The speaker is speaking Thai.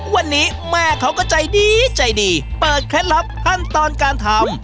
วันนี้แม่เขาก็ใจดีใจดีเปิดเคล็ดลับขั้นตอนการทำ